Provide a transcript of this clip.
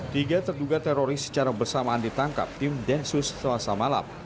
tiga terduga teroris secara bersamaan ditangkap tim densus sosamalap